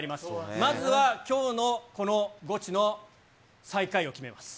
まずはきょうの、このゴチの最下位を決めます。